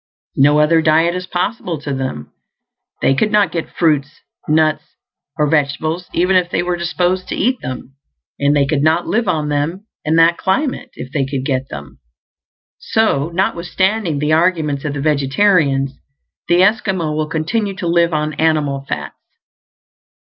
No other diet is possible to them; they could not get fruits, nuts, or vegetables even if they were disposed to eat them; and they could not live on them in that climate if they could get them. So, notwithstanding the arguments of the vegetarians, the Esquimaux will continue to live on animal fats.